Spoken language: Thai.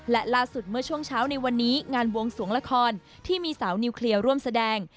และล่าสุดเมื่อช่วงเช้าในวันนี้งานบวงสวงละครที่มีสาวนิวเคลียร์ร่วมแสดง